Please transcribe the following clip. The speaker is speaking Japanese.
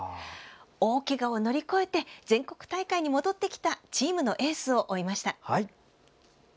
大けがを乗り越えて全国大会に戻ってきたチームのエースを追いました。